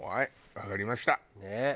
わかりました！